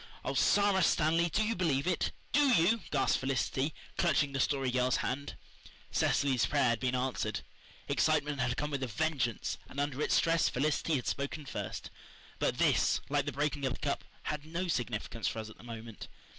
"Oh, Sara Stanley, do you believe it? DO you?" gasped Felicity, clutching the Story Girl's hand. Cecily's prayer had been answered. Excitement had come with a vengeance, and under its stress Felicity had spoken first. But this, like the breaking of the cup, had no significance for us at the moment.